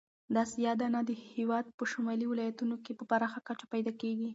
دا سیاه دانه د هېواد په شمالي ولایتونو کې په پراخه کچه پیدا کیږي.